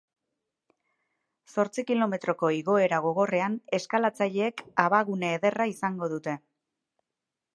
Zortzi kilometroko igoera gogorrean, eskalatzaileek abagune ederra izango dute.